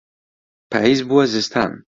پاییز بووە زستان.